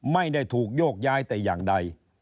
ไม่ได้ถูกโยกย้ายแต่อย่างใด